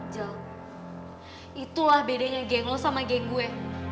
itulah bedanya geng lo sama geng gue